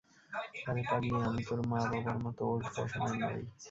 আরে পাগলি, আমি তোর মা-বাবার মতো ওল্ড ফ্যাশনের নই!